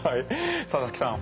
佐々木さん